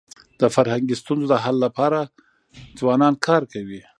د فرهنګي ستونزو د حل لپاره ځوانان کار کوي.